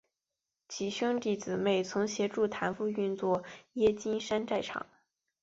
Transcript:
几兄弟姊妹曾协助谭父运作冶金山寨厂。